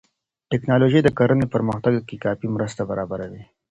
ټکنالوژي د کرنې په پرمختګ کې کافي مرسته برابروي.